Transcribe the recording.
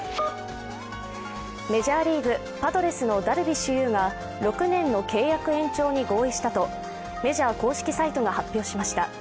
メジャーリーグ、パドレスのダルビッシュ有が６年の契約延長に合意したとメジャー公式サイトが発表しました。